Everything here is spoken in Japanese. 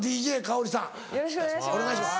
よろしくお願いします。